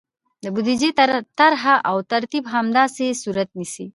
د بودیجې طرحه او ترتیب همداسې صورت نیسي.